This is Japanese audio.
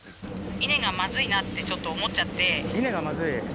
稲がまずいなってちょっと思稲がまずい？